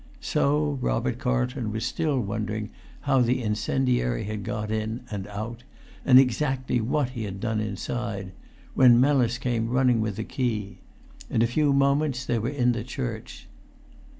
So Robert Carlton was still wondering how the incendiary had got in, and out, and exactly what he had done inside, when Mellis came running with the key. In a few moments they were in the church.